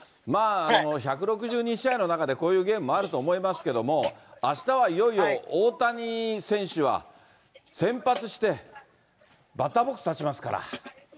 １６２試合の中でこういうゲームもあると思いますけども、あしたはいよいよ大谷選手は先発して、バッターボックス立ちますから。